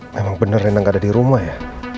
memang bener rena gak ada di rumah ya